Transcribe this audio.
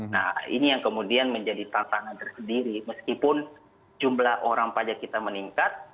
nah ini yang kemudian menjadi tantangan tersendiri meskipun jumlah orang pajak kita meningkat